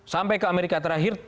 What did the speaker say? sampai ke amerika terakhir